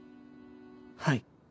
はい。